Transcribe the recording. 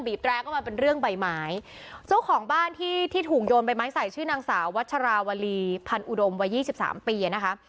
พันอุดมวัน๒๓ปีนะคะ